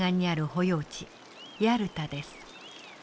ヤルタです。